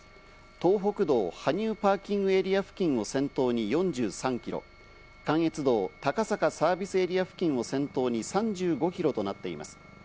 東北道・羽生パーキングエリア付近を先頭に４３キロ、関越道高坂サービスエリア付近を先頭に３５キロとなっています。